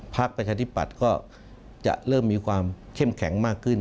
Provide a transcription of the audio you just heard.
พักกระชะดิบัตรก็จะเริ่มมีความเข้มแข็งมากขึ้น